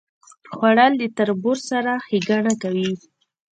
خوړل د تربور سره ښېګڼه کوي